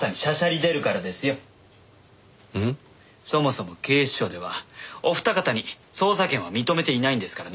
そもそも警視庁ではお二方に捜査権は認めていないんですからね。